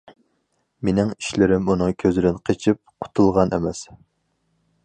مېنىڭ ئىشلىرىم ئۇنىڭ كۆزىدىن قېچىپ قۇتۇلغان ئەمەس.